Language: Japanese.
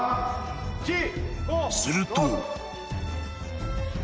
［すると］